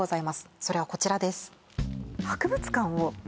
それはこちらです